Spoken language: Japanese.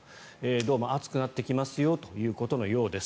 どうも暑くなってきますよということのようです。